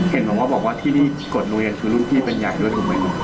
เห็นบอกว่าที่นี่กดโรงเรียนคือรุ่นพี่เป็นใหญ่ด้วยถูกไหมลูก